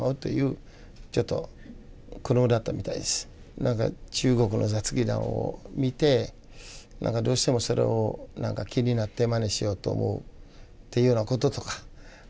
なんか中国の雑技団を見てどうしてもそれを気になってまねしようと思うというようなこととか。